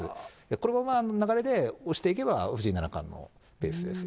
このままの流れで押していけば藤井七冠のペースです。